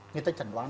người ta chẩn đoán